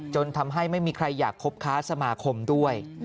จนทำให้ไม่มีใครอยากคบค้าสมาคมด้วย